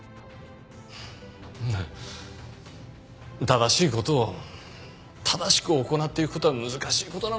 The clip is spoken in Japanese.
正しい事を正しく行っていく事は難しい事なのかもしれない。